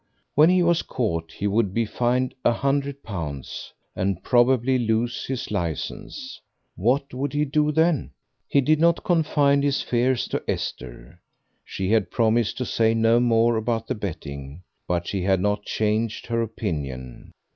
When he was caught he would be fined a hundred pounds, and probably lose his licence. What would he do then? He did not confide his fears to Esther. She had promised to say no more about the betting; but she had not changed her opinion.